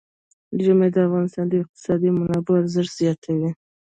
ژمی د افغانستان د اقتصادي منابعو ارزښت زیاتوي.